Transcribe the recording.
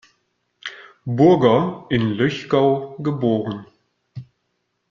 Burger in Löchgau geboren.